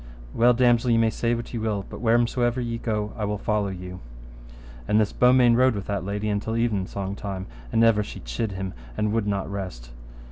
Well, damosel, ye may say what ye will, but wheresomever ye go I will follow you. So this Beaumains rode with that lady till evensong time, and ever she chid him, and would not rest.